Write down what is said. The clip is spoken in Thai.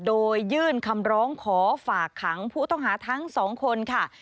โดยยื่นคำร้องขอฝากขังผู้ต้องหาทั้งสองคนค่ะ